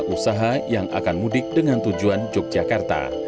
usaha yang akan mudik dengan tujuan yogyakarta